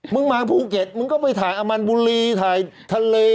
มึงมาภูเก็ตมึงก็ไปถ่ายอมันบุรีถ่ายทะเล